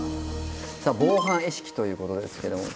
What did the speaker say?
さぁ防犯意識ということですけれども。